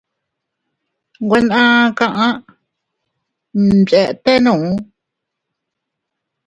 Nwe naa kaʼa mchetenuu.